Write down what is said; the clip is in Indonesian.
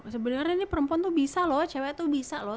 sebenarnya nih perempuan tuh bisa loh cewek tuh bisa loh